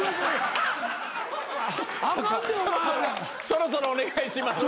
そろそろお願いします。